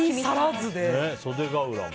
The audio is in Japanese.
袖ケ浦も。